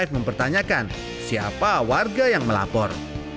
f mempertanyakan siapa warga yang melapor